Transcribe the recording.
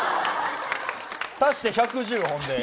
足して１１０、ほんで。